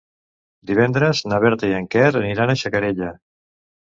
Divendres na Berta i en Quer aniran a Xacarella.